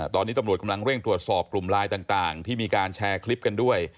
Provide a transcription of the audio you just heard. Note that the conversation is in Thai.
ตอนนี้ตำรวจกำลังเร่งตรวจสอบกลุ่มไลน์ต่างที่มีการแชร์คลิปกันด้วย